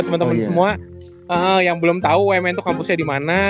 teman teman semua yang belum tahu umn itu kampusnya di mana